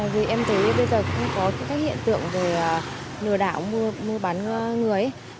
vì em thấy bây giờ cũng có các hiện tượng về lừa đảo mua bán người